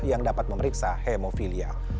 yang dapat memeriksa hemofilia